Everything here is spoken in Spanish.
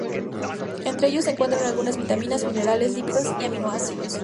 Entre ellos se encuentran algunas vitaminas, minerales, lípidos y aminoácidos.